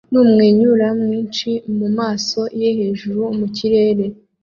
numwenyura mwinshi mumaso ye hejuru mukirere